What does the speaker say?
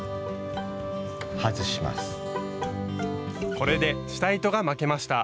これで下糸が巻けました。